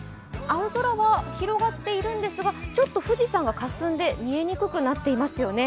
青空は広がっているんですがちょっと富士山がかすんで見えにくくなっていますよね。